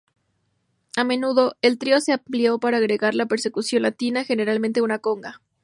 A menudo el trío se amplió para agregar la percusión latina, generalmente una conga.